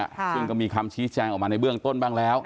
ซึ่งก็มีคำชี้แจงออกมาในเบื้องต้นบ้างแล้ว